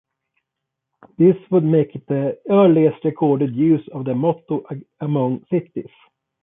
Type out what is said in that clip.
This would make it the earliest recorded user of the motto among cities.